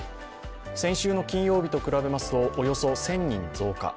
先週の金曜日と比べますとおよそ１０００人増加。